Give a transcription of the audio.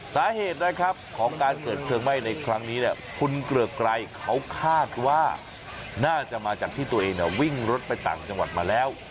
สาเหตุนะครับของการเกิดเพลิงไหม้ในครั้งนี้เนี่ยคุณเกลือกไกรเขาคาดว่าน่าจะมาจากที่ตัวเองวิ่งรถไปต่างจังหวัดมาแล้ว